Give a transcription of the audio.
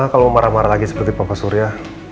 kalau marah marah lagi seperti bapak surya